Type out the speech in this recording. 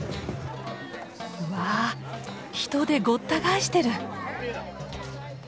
わ人でごった返してる。